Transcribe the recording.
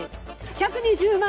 １２０万。